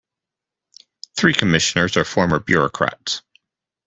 Three commissioners are former bureaucrats.